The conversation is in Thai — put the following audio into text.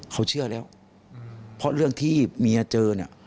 เขาเชื่อแล้วเพราะเรื่องที่มีเจอ